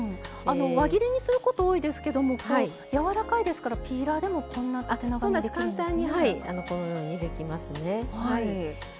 輪切りにすること多いですけどもやわらかいですからピーラーでも簡単にこのようにできますね。